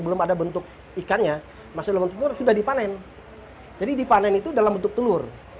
belum ada bentuk ikannya masih dalam bentuk telur sudah dipanen jadi dipanen itu dalam bentuk telur